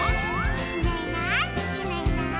「いないいないいないいない」